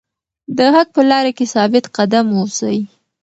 د حق په لاره کې ثابت قدم اوسئ.